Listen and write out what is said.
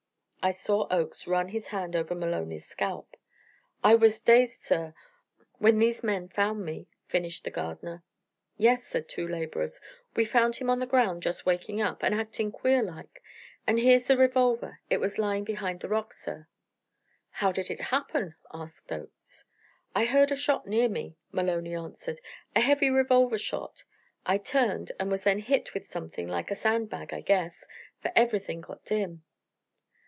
I saw Oakes run his hand over Maloney's scalp. "I was dazed, sir, when these men found me," finished the gardener. "Yes," said two laborers, "we found him on the ground just waking up, and acting queer like. And here's the revolver; it was lying behind the rock, sir." "How did it happen?" asked Oakes. "I heard a shot near me," Maloney answered, "a heavy revolver shot. I turned, and was then hit with something like a sand bag, I guess, for everything got dim."